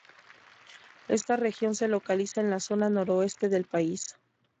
Esta región se localiza en la zona noroeste del país.